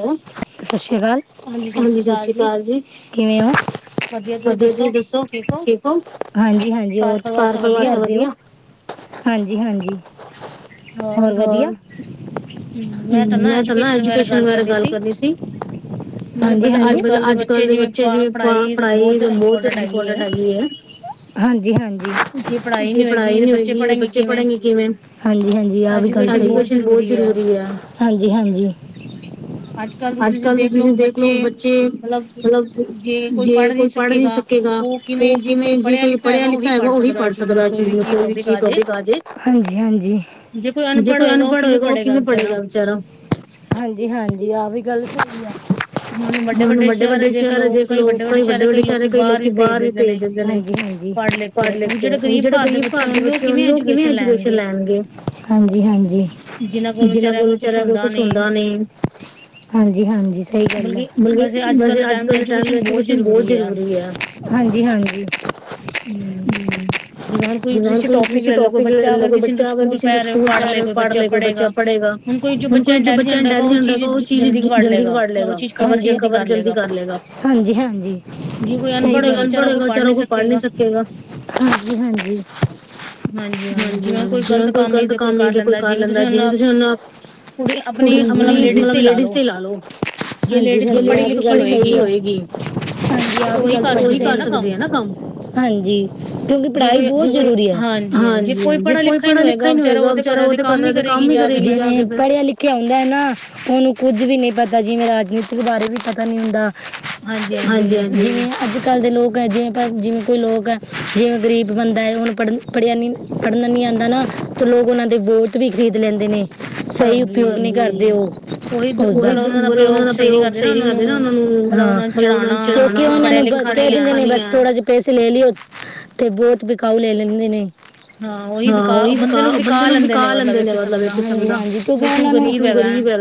Hello ਸਤਿ ਸ਼੍ਰੀ ਅਕਾਲ ਹਾਂਜੀ ਸਤਿ ਸ਼੍ਰੀ ਅਕਾਲ ਜੀ ਕਿਵੇਂ ਹੋ ਵਧੀਆ ਤੁਸੀਂ ਦੱਸੋ ਠੀਕ ਹੋ ਹਾਂਜੀ-ਹਾਂਜੀ ਹੋਰ ਵਧੀ ਹਾਂਜੀ-ਹਾਂਜੀ ਹੋਰ ਵਧੀਆ ਹਮ ਮੈਂ ਨਾ ਐਜੂਕੇਸ਼ਨ ਬਾਰੇ ਗੱਲ ਕਰਨੀ ਸੀ। ਹਾਂਜੀਲਬ ਅੱਜ ਕਲ ਦੇ ਬੱਚੇ ਜਿਵੇਂ ਪੜ੍ਹਾਈ ਬਹੁਤ ਇੰਪੋਰਟੈਂਟ ਹੈਗੀ ਹੈ। ਹਾਂਜੀ-ਹਾਂਜੀ ਜੇ ਪੜ੍ਹਾਈ ਨਹੀਂ ਹੋਏਗੀ ਤੇ ਬੱਚੇ ਪੜ੍ਹੇਗੇ ਕਿਵੇਂ ਹਾਂਜੀ-ਹਾਂਜੀ ਆਹ ਵੀ ਗੱਲ ਬਹੁਤ ਜ਼ਰੂਰੀ ਆ ਹਾਂਜੀ- ਹਾਂਜੀ [inaudible] ਅੱਜ ਕੱਲ ਤੁਸੀਂ ਦੇਖਲੋ ਬੱਚੇ, ਮਤਲਬ ਜੇ ਕੋਈ ਪੜ੍ਹ ਨੀ ਸਕੇ ਗਾ ਉਹ ਕਿਵੇਂ ਜੇ ਕੋਈ ਪੜ੍ਹਿਆ ਲਿਖਿਆ ਹੈਗਾ ਉਹੀ ਪੜ੍ਹ ਸਕਦਾ ਚੀ ਕੋਈ ਵੀ ਚੀਜ਼ ਟੋਪਿਕ ਆ ਜਾ ਹਾਂਜੀ-ਹਾਂਜੀ, ਜੇ ਕੋਈ ਅਨਪੜ੍ਹ ਹੋਏਗਾ ਉਹ ਕਿਵੇਂ ਪੜ੍ਹੇਗਾ ਵਿਚਾਰਾ ਹਾਂਜੀ-ਹਾਂਜੀ ਆਹ ਵੀ ਗੱਲ ਸਹੀ ਆ ਹੁਣ ਵੱਡੇ-ਵੱਡੇ ਸ਼ਹਿਰ ਦੇਖਲਓ ਕਈ ਵੱਡੇ-ਵੱਡੇ ਸ਼ਹਿਰ ਕਈ ਲੋਕੀ ਬਾਹਰ ਵੀ ਭੇਜ ਦਿੰਦੇ ਨੇ ਹਾਂਜੀ-ਹਾਂਜੀ ਪੜ੍ਹ ਲਿਖ ਕੇ ਉਹ ਵੀ ਜਿਹੜੇ ਗ਼ਰੀਬ ਘਰ ਦੇ ਬੱਚੇ ਹੋਣਗੇ ਉਹ ਕਿਵੇਂ ਐਜੂਕੇਸ਼ਨ ਲੈਣਗੇ ਹਾਂਜੀ-ਹਾਂਜੀ ਜਿਹਨਾਂ ਕੋਲ ਵਿਚਾਰਾ ਕੋ ਕੁੱਛ ਹੁੰਦਾ ਤੇ ਹਾਂਜੀ-ਹਾਂਜੀ ਸਹੀ ਗੱਲ ਹੈ। ਬਲਕਿ ਵੈਸੇ ਅੱਜ ਕੱਲ ਦੇ ਟਾਈਮ ਐਜੂਕੇਸ਼ਨ ਬਹੁਤ ਜ਼ਰੂਰੀ ਆ ਹਾਂਜੀ-ਹਾਂਜੀ ਹਮ ਜਿਵੇਂ ਹੁਣ ਕੋਈ ਤੁਸੀਂ ਟੋਪਿਕ ਲੈ ਲਓ ਕੋਈ ਬੱਚਾ ਅਗਰ ਕਿਸੇ ਨੂੰ ਸਕੂਲ ਪੈ ਪੜ੍ਹ ਲਏ ਕੋਈ ਬੱਚਾ ਪੜ੍ਹੇਗਾ ਪੜੇਗਾ, ਹੁਣ ਕੋਈ ਜੋ ਬੱਚਾ ਇੰਟੈਲੀਜੈਂਟ ਹੈਗਾ ਉਹ ਚੀਜ਼ ਜਲਦੀ ਕਵਾੜ ਪੜੇਗਾ, ਕਵਰ ਜਲਦੀ ਕਰ ਲਵੇਗਾ ਹਾਂਜੀ-ਹਾਂਜੀ ਸਹੀ ਕੋਈ ਅਨਪੜ੍ਹ ਹੋਏਗਾ ਵਿਚਾਰਾ ਕੋਈ ਪੜ੍ਹ ਨੀ ਸਕੇਗਾ, ਹਾਂਜੀ-ਹਾਂਜੀ ਹਾਂਜੀ-ਹਾਂਜੀ ਜਿਵੇਂ ਕੋਈ ਗ਼ਲਤ ਕੰਮ ਹੀ ਤੇ ਕੋਈ ਕਰ ਲੈਂਦਾ ਜਿਵੇਂ ਤੁਸੀਂ ਉਹੂੰ ਕੁੜੀ ਆਪਣੀ ਮਤਲਬ ਲੇਡੀਜ਼ ਤੇ ਲਾ ਲੋੋ ਹਾਂਜੀ ਹ ਲੇਡੀਜ ਵੀ ਪੜ੍ਹੀ ਲਿਖੀ ਹੋਏਗੀ [unintelligible] [unintelligible] ਹਾਂਜੀ-ਹਾਂਜੀ ਕੋਈ ਪੜ੍ਹਾ ਲਿਖਾ ਹੀ ਨਹੀਂ ਹੋਏਗਾ ਵਿਚਾਰਾ ਉਹ ਤੇ ਘਰ ਰਿਹਾ ਤੇ ਕੰਮ ਹੀ ਕਰੇਗੀ ਪੜ੍ਹਿਆ ਲਿਖਿਆ ਹੁੰਦਾ ਹੈ ਨਾ ਉਹਨੂੰ ਕੁੱਝ ਵੀ ਨੀ ਪਤਾ ਜਿਵੇਂ ਰਾਜਨੀਤਿਕ ਬਾਰੇ ਵੀ ਪਤਾ ਨੀ ਹੁੰਦਾ ਹਾਂਜੀ-ਹਾਂਜੀ ਅੱਜ ਅੱਜ ਕੱਲ ਦੇ ਲੋਕ ਹੈ। ਜਿਵੇਂ-ਜਿਵੇਂ ਕੋਈ ਲੋਕ ਹੈ। ਜਿਵੇਂ ਗਰੀਬ ਬੰਦਾ ਹੈ। ਉਹਨੂੰ ਪੜ੍ਹ ਪੜ੍ਹਿਆਨੀ ਪੜ੍ਹਨਾ ਨੀ ਆਉਂਦਾ ਨਾ ਤੇ' ਲੋਕ ਉਹਨਾਂ ਦੇ ਬੋਟ ਵੀ ਖਰੀਦ ਲੈਂਦੇ ਨੇ ਹਾਂਜੀ ਪਯੋਗ ਨੀ ਕਰਦੇ ਉਹ, ਮਤਲਬ ਉਹਨਾ ਦਾ ਪਯੋਗ ਸਹੀ ਨੀ ਕਰਦੇ ਨਾ ਉਹ ਨੂੰ ਹ ਕਿਉਕਿ ਉਹਨਾਂ ਨੂੰ ਬ ਦਿੰਦੇ ਨੇ ਬਸ ਥੋੜਾ ਜਹਾ ਪੈਸੇ ਲੈ ਲਿਓ ਤੇ ਬੋਟ ਵਿਕਾਊ ਲੈ ਲੈਂਦੇ ਨੇ ਹਾਂ ਉਹੀ ਵਿਕਾ ਬੰਦੇ ਨੂੰ ਵਿਕਾ ਲੈਂਦੇ ਨੇ ਮਤਲਬ ਉਹਨਾਂ ਨੂੰ ਵੀ ਤੂੰ ਗਰੀਬ ਹੈ।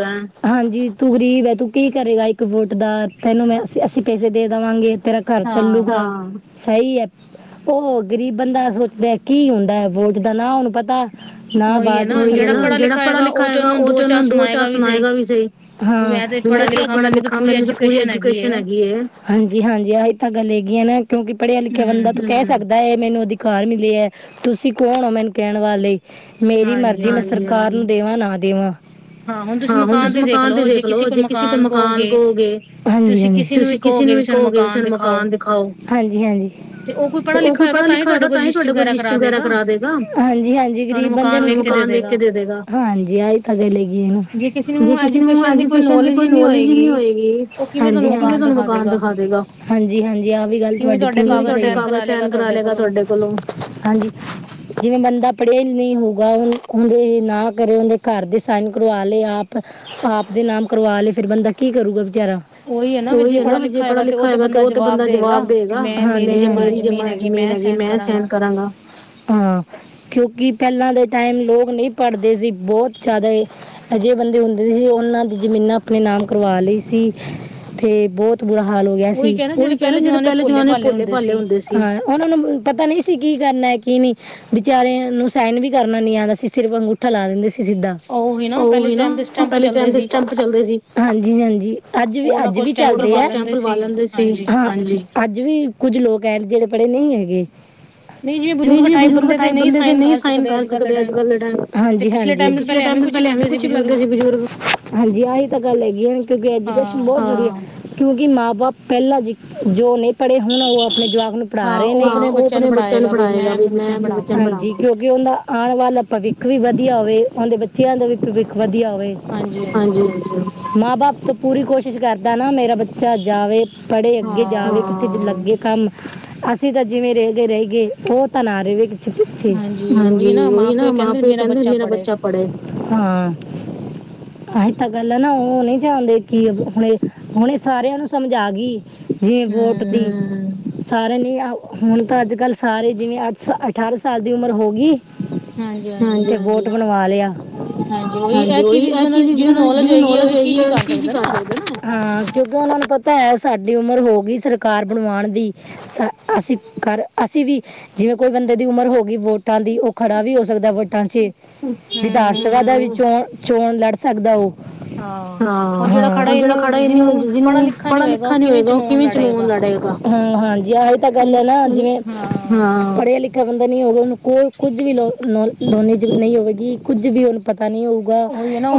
ਹਾਂਜੀ ਤੂੰ ਗ਼ਰੀਬ ਹੈ ਤੂੰ ਕੀ ਕਰੇਗਾ ਇੱਕ ਵੋਟ ਦਾ ਤੈਨੂੰ ਮੈਂ ਅ ਅਸੀਂ ਪੈਸੇ ਦੇ ਦੇਵਾਂਗੇ ਤੇਰਾ ਘਰ ਚੱਲੂਗਾ ਸਹੀ ਹੈ ਉਹ ਗ਼ਰੀਬ ਬੰਦਾ ਸੋਚਦਾ ਕੀ ਹੁੰਦਾ ਵੋਟ ਦਾ ਨ ਹੁਣ ਪਤਾ ਨਾ ਬਾਤ ਉਹੀ ਨਾ ਜਿਹੜਾ ਪੜਾ ਲਿਖਾ ਉਹ ਤੇ ਉਹਨਾਂ ਨੂੰ ਦੋ ਚਾਰ ਸੁਣਾਏਗਾ ਵੀ ਸਹੀ ਹਾਂ, ਬੜਾ ਲਿਖਾ ਮੈਨੂੰ ਪੂੂਰੀ ਐਜੂਕੇਸ਼ਨ ਹੈਗੀ ਹੈ। ਹਾਂਜੀ-ਹਾਂਜੀ ਆਹੀ ਤਾਂ ਗੱਲ ਹੈਗੀ ਆ ਨਾ ਕਿਉਂਕਿ ਪੜਿਆ ਲਿਖਿਆ ਬੰਦਾ ਕਹਿ ਸਕਦਾ ਇਹ ਮੈਨੂੰ ਅਧਿਕਾਰ ਮਿਲੇ ਹੈ ਤੁਸੀਂ ਕੌਣ ਹੋ ਮੈਨੂੰ ਕਹਿਣ ਵਾਲੇ ਮੇਰੀ ਮਰਜ਼ੀ ਮੈਂ ਸਰਕਾਰ ਨੂੰ ਦੇਵਾਂ ਨਾ ਦੇਵਾਂ ਹਾਂ ਹੁਣ ਤੁਸੀਂ ਮਕਾਨ ਤੇ ਦੇਖਲਓ ਜੇ ਕਿਸੇ ਕੋਲ ਮਕਾਨ ਕਹੋਗੇ, ਹਾਂਜੀ-ਹਾਂਜੀ ਤੁਸੀਂ ਕਿਸੇ ਨੂੰ ਵੀ ਕਹੋਗੇ ਕਿ ਮਕਾਨ ਦਿਖਾਓ, ਹਾਂਜੀ- ਹਾਂਜੀ ਤੇ ਉਹ ਕੋਈ ਪੜ੍ਹਾ ਲਿਖਾ ਹੋਏਗਾ ਤਾਂ ਹੀ ਤੁਹਾਡੇ ਕੋਲ ਰਜਿਸਟਰੀ ਵਗੈਰਾ ਕਰਾ ਦੇਗਾ, ਹਾਂਜੀ- ਹਾਂਜੀ ਗ਼ਰੀਬ ਬੰਦੇ ਨੂੰ ਦੇ ਦੇਗਾ, ਹਾਂਜੀ ਆ ਥੱਲੇ ਲਗੀ ਨੂੰ ਜੇ ਕਿਸੇ ਨੂੰ ਐਜੂਕੇਸ਼ਨ ਦੀ ਕੋਈ ਨੌਲੇਜ ਨਹੀਂ ਹੋਏਗੀ ਹਾਂਜੀ- ਹਾਂਜੀ ਤੁਹਾਨੂੰ ਮਕਾਨ ਦਿਖਾ ਦੇਗਾ ਹਾਂਜੀ- ਹਾਂਜੀ ਆਹ ਵੀ ਗੱਲ ਤੁਹਾਡੀ ਕਰਾ ਲਏਗਾ ਤੁਹਾਡੇ ਕੋਲੋਂ ਹਾਂਜੀ ਜਿਵੇਂ ਬੰਦਾ ਪੜ੍ਹਿਆ ਹੀ ਨਹੀਂ ਹੋਊਗਾ ਉਹਦੇ ਨਾ ਕਰੇ ਉਹਦੇ ਘਰ ਦੇ ਸਾਈਨ ਕਰਵਾ ਲਏ ਆਪ, ਆਪ ਦੇ ਨਾਮ ਕਰਵਾ ਲਏ ਫਿਰ ਬੰਦਾ ਕੀ ਕਰੂਗਾ ਵਿਚਾਰਾ ਉਹੀ ਹੈ ਨਾ ਵੀ ਜੇ ਪੜ੍ਹਾ ਲਿਖਿਆ ਹੋਏਗਾ ਤੇ ਉਹ ਤੇ ਬੰਦਾ ਜਵਾਬ ਦੇਗਾ, ਮੇਰੀ ਜਮਾ ਜ਼ਮੀਨ ਹੈਗੀ ਮੈਂ ਸਹਿਣ ਕਰਾਂਗਾ ਹਮ ਕਿਉਂਕਿ ਪਹਿਲਾਂ ਦੇ ਟਾਈਮ ਲੋਕ ਨਹੀਂ ਪੜ੍ਹਦੇ ਸੀ ਬਹੁਤ ਜ਼ਿਆਦਾ ਅਜਿਹੇ ਬੰਦੇ ਹੁੰਦੇ ਸੀ ਉਹਨਾਂ ਦੀ ਜ਼ਮੀਨਾਂ ਆਪਣੇ ਨਾਮ ਕਰਵਾ ਲਈ ਸੀ ਤੇ ਬਹੁਤ ਬੁਰਾ ਹਾਲ ਹੋ ਗਿਆ ਸੀ ਉਹੀ ਕਹਿੰਦਾ ਜਿਹੜੇ ਪਹਿਲੇ ਜਮਾਨੇ ਪੋਲੇ ਭਾਲੇ ਹੁੰਦੇ ਸੀ ਹਾਂ ਉਹਨਾਂ ਨੂੰ ਪਤਾ ਨਹੀਂ ਸੀ ਕੀ ਕਰਨਾ ਕੀ ਨਹੀਂ ਵਿਚਾਰਿਆਂ ਨੂੰ ਸਹਿਣ ਵੀ ਕਰਨਾ ਨੀ ਆਉਂਦਾ ਸੀ ਸਿਰਫ ਅੰਗੂਠਾ ਲਾ ਦਿੰਦੇ ਸੀ ਸਿੱਧਾ ਉਹੀ ਨਾ ਪਹਿਲੇ ਟਾਈਮ ਚ ਸਟੈਂਪ ਚਲਦੇ ਸੀ ਹਾਂਜੀ ਹਾਂਜੀ ਅੱਜ ਵੀ ਅੱਜ ਵੀ ਚੱਲਦੇ ਆਪ ਲੈਂਦੇ ਸੀ ਹਾਂਜੀ ਅੱਜ ਵੀ ਕੁੱਝ ਲੋਕ ਐਂ ਜਿਹੜੇ ਪੜ੍ਹੇ ਨਹੀਂ ਹੈਗੇ ਨਹੀਂ ਜੀ ਬਜ਼ੁਰਗ ਟਾਈਪ ਬੰਦੇ ਤੇ ਨਹੀਂ ਸਾਈਨ ਕਰ ਸਕਦੇ ਅੱਜ ਕਲ ਦੇ ਟਾਈਮ, ਹਾਂਜੀ -ਹਾਂਜੀ ਪਿਛਲੇ ਟਾਈਮ ਨੂੰ ਪਹਿਲੇ ਐਵੇਂ ਕੁਛ ਲੱਗ ਸੀ ਬਜ਼ੁਰਗ ਹਾਂਜੀ ਆਹੀ ਤਾਂ ਗੱਲ ਹੈਗੀ ਆ ਕਿਉਂਕਿ ਐਜੂਕੇਸ਼ਨ ਬਹੁਤ ਵਧੀਆ ਕਿਉਂਕਿ ਮਾਂ ਬਾਪ ਪਹਿਲਾਂ ਜ ਜੋ ਨੇ ਪੜੇ ਹੁਣ ਉਹ ਆਪਣੇ ਜਵਾਕ ਨੂੰ ਪੜ੍ਹਾ ਰਹੇ ਨੇ ਉਹ ਆਪਣੇ ਬੱਚਿਆਂ ਨੂੰ ਪੜ੍ਹਾਏਗਾ ਮੈਂ ਹ ਕਿਉਂਕਿ ਉਹਦਾ ਆਉਣ ਵਾਲਾ ਦਾ ਭਵਿੱਖ ਵੀ ਵਧੀਆ ਹੋਵੇ ਉਹਦੇ ਬੱਚਿਆਂ ਦਾ ਵੀ ਭਵਿੱਖ ਵਧੀਆ ਹੋਵੇ ਹ ਮਾਂ ਬਾਪ ਤੋਂ ਪੂਰੀ ਕੋਸ਼ਿਸ਼ ਕਰਦਾ ਨਾ ਮੇਰਾ ਬੱਚਾ ਝ ਜਾਵੇ ਪੜ੍ਹੇ ਅੱਗੇ ਜਾਵੇ ਕਿਤੇ ਲੱਗੇ ਕੰਮ ਅਸੀਂ ਤਾਂ ਜਿਵੇਂ ਰਹਿ ਗਏ ਰਹਿ ਗਏ ਉਹ ਤਾਂ ਨਾ ਰਹੇ ਹਾਂਜੀ ਉਹੀ ਨਾ ਮਾਂ ਪਿਓ ਕਹਿੰਦੇ ਮੇਰਾ ਬੱਚਾ ਹਾਂ ਆ ਇਹ ਤਾਂ ਗੱਲ ਆ ਨਾ ਉਹ ਨਹੀਂ ਚਾਹੁੰਦੇ ਕਿ ਹੁਣੇ ਹੁਣੇ ਸਾਰਿਆਂ ਨੂੰ ਸਮਝ ਆ ਗਈ ਜਿਵੇਂ ਵੋਟ ਦੀ ਸਾਰਿਆਂ ਨੇ ਆ ਹੁਣ ਤਾਂ ਅੱਜ ਕੱਲ੍ਹ ਸਾਰੇ ਜਿਵੇਂ ਅੱਠ ਸ ਅਠਾਰਾਂ ਸਾਲ ਦੀ ਉਮਰ ਹੋ ਗਈ ਹਾਂ ਤੇ ਵੋਟ ਬਣਾ ਲ ਹਾਂਜੀ ਉਹੀ ਇਹ ਚੀਜ਼ ਜਿਹਦੀ ਨੌਲੇਜ ਹੋਏਗੀ ਕੀ ਕਰ ਸਕ ਹਾਂ ਕਿਉਂਕਿ ਉਹਨਾਂ ਨੂੰ ਪਤਾ ਹੈ ਸਾਡੀ ਉਮਰ ਹੋ ਗਈ ਸਰਕਾਰ ਬਣਵਾਉਣ ਦੀ ਅਸੀਂ ਘਰ ਅਸੀਂ ਵੀ ਜਿਵੇਂ ਕੋਈ ਬੰਦੇ ਦੀ ਉਮਰ ਹੋ ਗਈ ਵੋਟਾਂ ਦੀ ਉਹ ਖੜਾ ਵੀ ਹੋ ਸਕਦਾ ਵ ਚ ਵਿਧਾਨ ਸਭਾ ਦਾ ਵੀ ਚੋਣ ਚੋਣ ਲੜ ਸਕਦਾ ਉਹ ਹਾਂ ਹੁਣ ਜਿਹੜਾ ਖੜਾ ਇਹ ਜਿਹਨੂੰ ਪੜ੍ਹਾ ਲਿਖਾ ਨੀ ਹੋਏਗਾ ਉਹ ਕਿਵੇਂ ਚਲਉਣ ਦਾ ਡਹੇਗਾ ਹਮ ਹਾਂਜੀ ਆ ਇਹ ਤਾਂ ਗੱਲ ਹੈ ਨਾ ਜਿਵੇਂ ਹ ਪੜਿਆ ਲਿਖਿਆ ਬੰਦਾ ਨੀ ਹੋਵੇ ਉਹਨੂੰ ਕੋਈ ਕੁੱਝ ਵੀ ਨਹੀਂ ਹੋਵੇਗੀ ਕੁੱਝ ਵੀ ਉਹਨੂੰ ਪਤਾ ਨੀ ਹੋਊਗਾ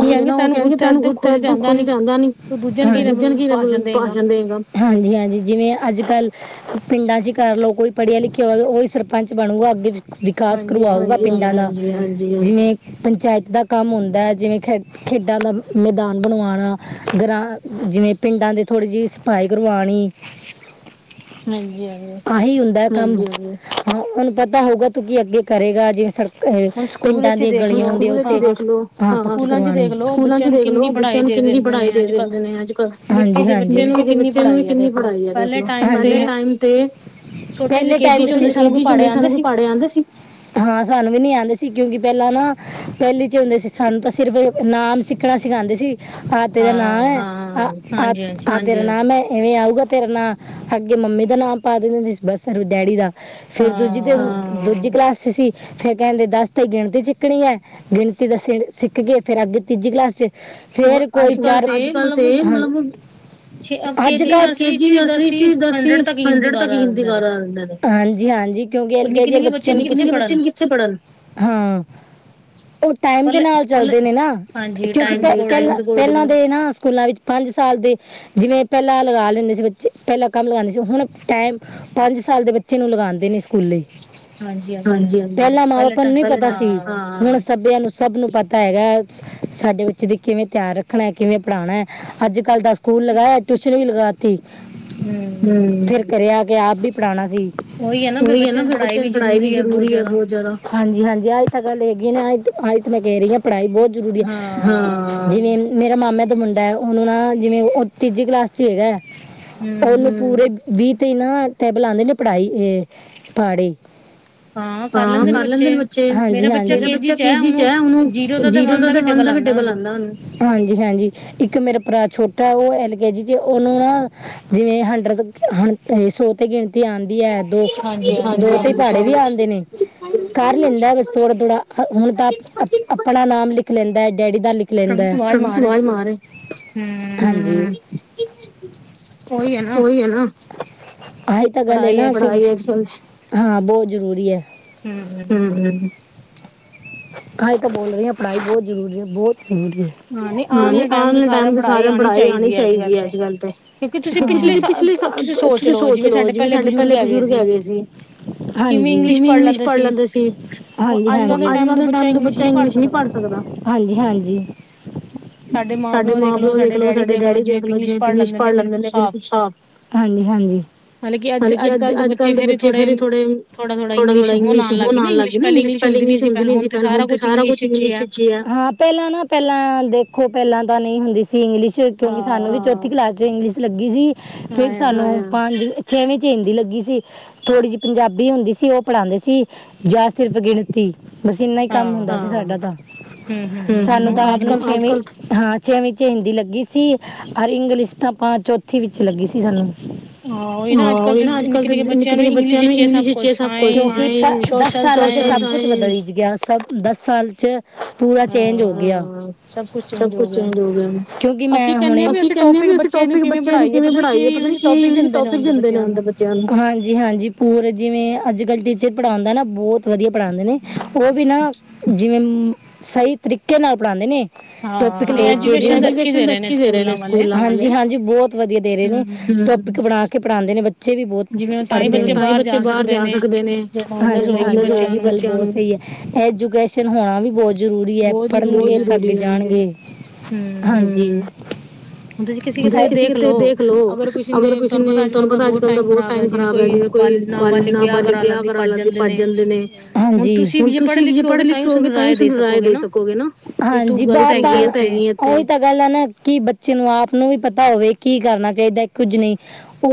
ਠੀਕ ਨਾ ਉਹ ਕਹਿਣਗੇ ਤੈਨੂੰ ਖੁਰ ਜਾਂਦਾ ਨੀ ਣ ਕੀ ਭਾਣ ਦੇ ਹਾਂਜੀ ਹਾਂਜੀ ਜਿਵੇਂ ਅੱਜ ਕੱਲ ਪਿੰਡਾਂ ਚ ਹੀ ਕਰਲਓ ਕੋਈ ਪੜ੍ਹਿਆ ਲਿਖਿਆ ਹੋ ਉਹੀ ਸਰਪੰਚ ਬਣੂਗਾ ਅੱਗੇ ਵਿਕਾਸ ਕਰਵਾਉਗਾ ਪਿੰਡਾਂ ਦਾ ਜਿਵੇਂ ਪੰਚਾਇਤ ਦਾ ਕੰਮ ਹੁੰਦਾ ਹੈ ਜਿਵੇਂ ਖੇ ਖੇਡਾਂ ਦਾ ਮੈਦਾਨ ਬਣਵਾਉਣਾ ਗਰਾਂ ਜਿਵੇਂ ਪਿੰਡਾਂ ਦੇ ਥੋੜ੍ਹੀ ਜਿਹੀ ਸਫਾਈ ਕਰਵਾਉਣੀ ਹਾਂਜੀ ਹਾਂਜੀ ਹੀ ਹੁੰਦਾ ਕੰਮ ਹਾਂ ਉਹਨੂੰ ਪਤਾ ਹੋਊਗਾ ਤੂੰ ਕੀ ਅੱਗੇ ਕਰੇਗਾ ਜਿਵੇਂ ਸ ਪਿੰਡਾਂ ਦੇ ਗਲੀਆਂ ਦੇ ਉ ਦੇ ਸਕੂਲਾਂ ਚ ਕਰਵਾਣੇ ਸਕੂਲਾਂ ਚ ਦੇਖਲੋ ਬੱਚਿਆਂ ਨੂੰ ਕਿੰਨੀ ਪੜਾਈ ਦੇ ਦਿੰਦੇ ਨੇ ਅੱਜ-ਕੱਲ, ਹਾਂਜੀ-ਹਾਂਜੀ, ਨਿੱਕੇ ਜੇ ਬੱਚੇ ਨੂੰ ਵੀ ਕਿੰਨੀ ਪੜ੍ਹਾਈ ਹੈ ਦੇਖਲੋ। ਤੇ ਪਹਿਲੇ ਟਾਇਮ ਚ ਹੁੰਦੇ ਸਾਨੂੰ ਕੋਈ ਪਾੜੇ ਆਂਦੇ ਸੀ, ਹਾਂ ਸ ਨੀ ਆਉਂਦੇ ਸੀ ਕਿਉਂਕਿ ਪਹਿਲਾਂ ਨਾ ਪਹਿਲੀ ਚ ਹੁੰਦੇ ਸੀ ਸਾਨੂੰ ਤਾਂ ਸਿਰਫ ਨਾਮ ਸਿੱਖਣਾ ਸਿਖਾਉਂਦੇ ਸੀ, ਆ ਤੇਰਾ ਨਾ ਤੇਰਾ ਨਾਮ ਮੈਂ ਇਵੇਂ ਆਊਗਾ ਤੇਰਾ ਨਾਂ ਅੱਗੇ ਮੰਮੀ ਦਾ ਨਾਮ ਪਾ ਦਿੰਦੇ ਹੁੰਦੇ ਸੀ ਬਸ ਡੈਡੀ ਦਾ, ਫੇਰ ਦੂਜੀ ਤੇ ਦੂਜੀ ਕਲਾਸ ਚ ਸੀ, ਫੇਰ ਕਹਿੰਦੇ ਦੱਸ ਤੇ ਗਿਣਤੀ ਸਿੱਖਣੀ ਹੈ ਗਿਣਤੀ ਦਾ ਸਿੱਖ ਕੇ ਫੇਰ ਅੱਗੇ ਤੀਜੀ ਕਲਾਸ ਚ, ਫੇਰ ਕੋਈ ਚਾਰ, ਅੱਜ-ਕੱਲ ਤੇ ਇਹ, ਅੱਜ-ਕੱਲ੍ਹ ਕੇਜੀ ਨਰਸਰੀ ਚ ਵੀ ਦਸੀ ਹੰਡਰਡ ਤੱਕ ਕੀਤੀ ਕਰਦੇ ਨੇ, ਹਾਂਜੀ-ਹਾਂਜੀ ਕਿਉਂਕਿ ਐਲ-ਕੇਜੀ ਬੱਚਨ ਬੱਚੇ ਕਿਥੇ ਪੜਨ, ਉਹ ਟਾਈਮ ਦੇ ਨਾਲ ਚਲਦੇ ਨੇ ਨਾ, ਕਿਉਂਕਿ ਪਹਿਲਾਂ ਦੇ ਨਾ ਸਕੂਲਾਂ ਵਿੱਚ ਪੰਜ ਸਾਲ ਦੇ ਜਿਵੇਂ ਪਹਿਲਾਂ ਲਗਾ ਲੈਂਦੇ ਸੀ ਬੇ ਪਹਿਲਾਂ ਕੰਮ ਲਗਾਉਦੇ ਸੀ ਹੁਣ ਟਾਈਮ ਪੰਜ ਸਾਲ ਦੇ ਬੱਚੇ ਨੂੰ ਲਗਾਉਂਦੇ ਨੇ ਸਕੂਲੇ, ਹਾਂਜੀ-ਹਾਂਜੀ-ਹਾਂਜੀ ਪਹਿਲਾਂ ਮਾਂ ਬਾਪਾਂ ਨੂੰ ਨੀ ਪਤਾ ਸੀ ਹੁਣ ਸੱਭਿਆ ਨੂੰ ਸਭ ਨੂੰ ਪਤਾ ਹੈਗਾ, ਸਾਡੇ ਬੱਚੇ ਦੇ ਕਿਵੇਂ ਧਿਆਨ ਰੱਖਣਾ ਹੈ ਕਿਵੇਂ ਪੜ੍ਹਉਣਾ ਹੈ ਅੱਜ-ਕੱਲ ਦਾ ਸਕੂਲ ਲਗਾਾਇਆ ਟਿਊਸ਼ਨ ਵੀ ਲਗਾ ਤੇ, ਹਮ ਫੇਰ ਕਰਿਆ ਕੇ ਆਪ ਵੀ ਪੜ੍ਹਾਉਣਾ ਸੀ ਉਹੀ ਹੈ ਨਾ ਫੇਰ ਬੱਚਿਆਂ ਦੀ ਪੜ੍ਹਾਈ ਵੀ ਜ਼ਰੂਰੀ ਹੈ ਬਹੁਤ ਚਲੋ, ਹਾਂਜੀ-ਹਾਂਜੀ ਅੱਜ ਤਾਂ ਗੱਲ ਹੈਗੀ ਨੇ ਅੱ ਅੱਜ ਮੈਂ ਕਹਿ ਰਹੀ ਹਾਂ, ਪੜ੍ਹਾਈ ਬਹੁਤ ਜ਼ਰੂਰੀ ਹੈ, ਜਿਵੇਂ ਮੇਰਾ ਮਾਮਾ ਦਾ ਮੁੰਡਾ ਹੈ ਉਹਨੂੰ ਨਾ ਜਿਵੇਂ ਤੀਜੀ ਕਲਾਸ ਚ ਹੈਗਾ ਹੈ ਉਹਨੂੰ ਪੂਰੇ ਵੀਹ ਤੇ ਨਾ ਟੇਬਲ ਆਉਂਦੇ ਨੇ ਪੜ੍ਹਾਈ ਪਹਾੜੇ, ਹਾਂ ਕਰ ਲੈਂਦੇ ਨੇ ਬੱਚੇ ਮੇਰਾ ਬੱਚਾ ਕੇਜੀ ਚ ਹੈ ਉਹਨੂੰ ਜੀਰੋ ਦਾ ਤੇ ਵੰਨ ਦਾ ਵੀ ਹਾਂਜੀ-ਹਾਂਜੀ ਇੱਕ ਮੇਰਾ ਭਰਾ ਛੋਟਾ ਉਹ ਐਲ ਕੇ ਜੀ ਚ ਉਹਨੂੰ ਨਾ ਜਿਵੇਂ ਹੰਡਰ ਹ ਸੌ ਤੇ ਗਿਣਤੀ ਆਉਂਦੀ ਹੈ ਦੋ-ਦੋ ਤੇ ਪਹਾੜੇ ਵੀ ਆਉਂਦੇ ਨੇ, ਕਰ ਲੈਂਦਾ ਥੋੜ੍ਹਾ-ਥੋੜਾ ਹੁਣ ਤਾਂ ਆਪਣਾ ਨਾਮ ਲਿਖ ਲੈਂਦਾ ਹੈ ਡੈਡੀ ਦਾ ਲਿਖ ਲੈਂਦਾ ਸਵਾਲ ਮਾਰੇ ਹਮ, ਉਹੀ ਹੈ ਨਾ, ਆਹੀ ਤਾਂ ਗੱਲ ਹੈ ਨਾ ਹਾਂ ਬਹੁਤ ਜ਼ਰੂਰੀ ਹੈ। ਹਮ-ਹਮ ਅਂ ਤਾਂ ਬੋਲ ਰਹੇ ਹਾਂ ਪੜ੍ਹਾਈ ਬਹੁਤ ਜ਼ਰੂਰੀ ਹੈ ਬਹੁਤ ਜ਼ਰੂਰੀ ਹੈ, ਹਾਂ ਨਹੀਂ ਆਉਣੇ ਟਾਈਮ ਤੇ ਸਾਰਿਆਂ ਪੜ੍ਹਾਈ ਆਉਣੀ ਚਾਹੀਦੀ ਹੈ ਅੱਜ-ਕੱਲ ਤੇ, ਕਿਉਂਕਿ ਤੁਸੀਂ ਪਿਛਲੇ ਤੁਸੀਂ ਸੋਚ ਲਓ ਜਿਵੇਂ ਸਾਡੇ ਪਹਿਲੇ ਬਜ਼ੁਰਗ ਹੈਗੇਏ ਸੀ, ਹਾਂਜੀ ਕਿਵੇਂ ਇੰਗਲਿਸ਼ ਪੜ੍ਹ ਲੈਂਦੇ ਸੀ। ਹਾਂਜੀ-ਹਾਂਜੀ, ਅੱਜ-ਕੱਲ ਦੇ ਟਾਈਮ ਤੋਂ ਬੱਚਾ ਇੰਗਲਿਸ਼ ਨਹੀਂ ਪੜ੍ਹ ਸਕਦਾ, ਹਾਂਜੀ-ਹਾਂਜੀ। ਸਾਡੇ ਮਾਂ ਪਿਓ ਦੇਖਲੋ ਸਾਡੇ ਡੈਡੀ ਦੇਖਲੋ ਜਿਵੇਂ ਇੰਗਲਿਸ਼ ਪੜ੍ਹ ਲੈਂਦੇ ਨੇ ਬਿਲਕੁਲ ਸਾਫ਼, ਹਾਂਜੀ-ਹਾਂਜੀ। ਹਲਕ ਅੱਜ ਅੱਜ-ਕੱਲ੍ਹ ਦੇ ਬੱਚੇ ਫੇਰ ਹੀ ਥੋੜੇ-ਥੋੜਾ-ਥੋੜਾ, ਇੰਗਲਸ਼ ਹੋਣਉਣੱਗ ਗਈ ਨਾ ਇੰਲਿਸ਼ ਪਹਿਲੇ ਇੰਗਿਸ਼ ਹੁੰਦੀ ਸੀ ਪਹਿਲ ਹੁਣ ਸਾਰ ਕੁ ਇੰਗਲਿਸ਼, ਹਾਂ ਪਹਿਲਾਂ ਨਾ ਪਹਿਲਾਂ ਦੇਖੋ ਪਹਿਲਾਂ ਤਾਂ ਨਹੀਂ ਹੁੰਦੀ ਸੀ ਇੰਗਲਿਸ਼ ਕਿਉਂਕਿ ਸਾਨੂੰ ਵੀ ਚੌਥੀ ਕਲਾਸ ਚ ਇੰਗਲਿਸ਼ ਲੱਗੀ ਸੀ, ਫਿਰ ਸਾਨੂੰ ਪੰਜ ਛੇਵੀਂ ਚ ਹਿੰਦੀ ਲੱਗੀ ਸੀ, ਥੋੜ੍ਹੀ ਜਿਹੀ ਪੰਜਾਬੀ ਹੁੰਦੀ ਸੀ ਉਹ ਪੜ੍ਹਾਉਂਦੇ ਸੀ, ਜਾਂ ਸਿਰਫ ਗਿਣਤੀ ਬਸ ਇੰਨਾ ਹੀ ਕੰਮ ਹੁੰਦਾ ਸੀ ਸਾਡਾ ਤਾਂ, ਸਾਨੂੰ ਤਾਂ ਆਪ ਨੂੰ ਛੇਵੀਂ ਹਾਂ ਪੱਚੇਵੀ ਹਿੰਦੀ ਲੱਗੀ ਸੀ, ਪਰ ਇੰਗਲਿਸ਼ ਤਾਂ ਆਪਾਂ ਚੌਥੀ ਵਿੱਚ ਲੱਗੀ ਸੀ ਸਾਨੂੰ, ਆਹੋਹੀ ਨਾ ਅੱਜ-ਕੱਲ੍ਹ ਤੇ ਨਿੱਕੇ ਨਿੱਕੇ ਬੱਚਿਆਂ ਨੂੰ ਇੰਗਲਿਸ਼ ਵਿੱਚ ਕੁ ਦਸ ਸਾਲ ਸਭ ਕੁ ਸਭ ਦਸ ਸਾਲ ਚ, ਪੂਰਾ ਚੇਂਜ ਹੋਗਿਆ, ਸਭ ਕੁਛ ਚੇਂਜ ਹੋ ਗਿਆ ਕਿਉਂਕਿ ਮੈਂ ਹੁਣੇ ਟੋਪਿਕ ਬੱਚਿਆਂ ਨੂੰ ਕਿਵੇਂ ਪੜ੍ਹਾਈ ਹੈ, ਪਤਾ ਨੀ ਕੀ ਟੋਪਿਕ ਦਿੰਦੇ ਨੇ ਹੁੰਦੇ ਬੱਚੇ ਹਾਂਜੀ-ਹਾਂਜੀ ਪੂਰੇ ਜਿਵੇਂ ਅੱਜ-ਕੱਲ੍ਹ [unintelligible] ਪੜ੍ਹਾਂਦੈ ਨਾ ਬੋਤ ਵਧੀਆ ਪੜ੍ਹਾਂਦੇ ਨੇ ਓ ਵੀ ਨਾ ਜਿਵੇਂ ਸਈ ਤਰੀਕੇ ਨਾਲ ਪੜ੍ਹਾਂਦੇ ਨੇ। ਟੋਪਿਕ ਲੇਕੇ ਨਈ ਐਜੂਕੇਸ਼ਨ ਅੱਛੀ ਦੇ ਰੇ ਨੇ ਸਕੂਲ ਹਾਂਜੀ-ਹਾਂਜੀ ਬੋਤ ਵਧੀਆ ਦੇ ਰੇ ਨੇ ਟੋਪਿਕ ਬਣਾ ਕੇ ਪੜ੍ਹਾਂਦੇ ਨੇ ਬੱਚੇ ਵੀ ਬੋਤ ਪੜਦੇ ਨੇ [unintelligible] ਤਾਂਈ ਬੱਚੇ ਬਾਹਰ ਜਾ ਸਕ ਕਦੇ ਨੇ ਹਾਂਜੀ [inaudible] ਐਜੂਕੇਸ਼ਨ ਹੋਣਾ ਵੀ ਬੋਤ ਜਰੂਰੀ ਐ ਬੋਤ ਪੜ੍ਹਨਗੇ ਲੱਗੇ ਜਾਣਗੇ। ਹਾਂਜੀ। ਜਾਂ ਕਿਸੇ ਕੇ ਤੇ ਦੇਖ ਲੋ ਅਗਰ ਕਿਸੇ ਨੇ ਤੁਹਾਨੂੰ ਪਤਾ ਅੱਜ ਕੱਲ ਦਾ ਬੋਤ ਟਾਈਮ ਖ਼ਰਾਬ ਐ ਜਿਵੇਂ ਕੋਈ [unintelligible] ਕਾਲਜ ਬਾਰੇ ਵਿਆਹ ਕਰਾ ਲੈਂਦੇ ਭੱਜ ਜਾਂਦੇ ਨੇ ਹਾਂਜੀ ਹੁਣ ਤੁਸੀਂ ਵੀ ਜੇ ਪੜ੍ਹੇ ਲਿਖੇ ਹੋਗੇ ਤਾਂ ਈ ਉਸਾਨੂੰ ਰਾਏ ਦੇ ਸਕੋਗੇ ਨਾ। ਹਾਂਜੀ ਬਾਰ ਤਾਂ ਤੂੰ ਗਲਤ ਹੈਗੀ ਐ। ਓਹੀ ਤਾਂ ਗੱਲ ਐ ਨਾ ਕੀ ਬੱਚੇ ਨੂੰ ਆਪ ਨੂੰ ਵੀ ਪਤਾ ਹੋਵੇ ਕੀ ਕਰਨਾ ਚਾਈਦਾ ਕੁੱਝ ਨੀ। ਓ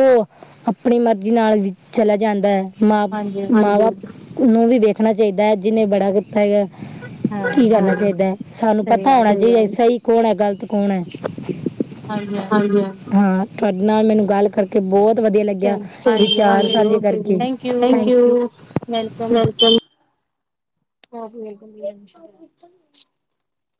ਆਪਣੀ ਮਰਜ਼ੀ ਨਾਲ ਵੀ ਚਲਾ ਜਾਂਦੈ ਮਾਂ ਮਾਂ-ਬਾਪ ਨੂੰ ਵੀ ਵੇਖਣਾ ਚਾਹੀਦਾ ਜਿੰਨੇ ਬੜਾ ਕੀਤਾ ਹੈਗਾ। ਕੀ ਕਰਨਾ ਚਾਹੀਦੈ ਸਾਨੂੰ ਪਤਾ ਹੋਣਾ ਚਾਹੀਦਾ ਸਹੀ ਕੌਣ ਐ ਗ਼ਲਤ ਕੌਣ ਐ। ਹਾਂਜੀ -ਹਾਂਜੀ ਹਾਂ। ਤੁਹਾਡੇ ਨਾਲ ਮੈਨੂੰ ਗੱਲ ਕਰਕੇ ਬਹੁਤ ਵਧੀਆ ਲੱਗਿਆ ਵਿਚਾਰ ਸਾਂਝੇ ਕਰਕੇ। ਵੈਲਕਮ। [unintelligible] [unintelligible]